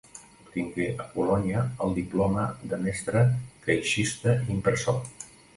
Obtingué a Colònia el diploma de mestre caixista i impressor.